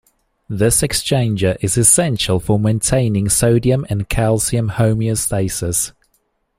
This exchanger is essential for maintaining sodium and calcium homeostasis.